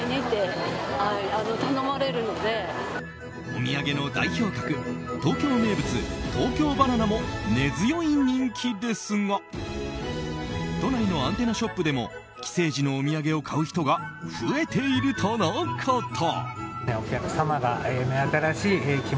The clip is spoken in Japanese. お土産の代表格東京名物、東京ばな奈も根強い人気ですが都内のアンテナショップでも帰省時のお土産を買う人が増えているとのこと。